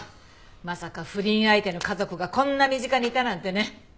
まさか不倫相手の家族がこんな身近にいたなんてね。